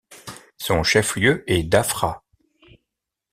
Son chef-lieu est Dafra.